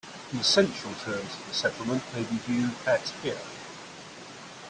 The essential terms of the settlement may be viewed at here.